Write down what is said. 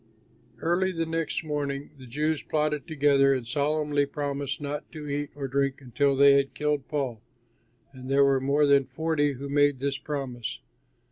Early the next morning the Jews plotted together and solemnly promised not to eat or drink until they had killed Paul, and there were more than forty who made this promise.